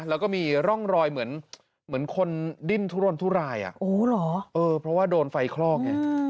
แล้วก็มีร่องรอยเหมือนคนดิ้นทุรนทุรายเพราะว่าโดนไฟคลอกไง